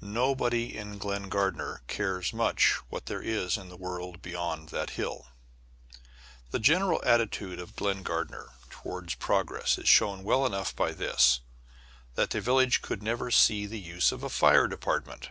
Nobody in Glen Gardner cares much what there is in the world beyond that hill. The general attitude of Glen Gardner toward progress is shown well enough by this, that the village could never see the use of a fire department.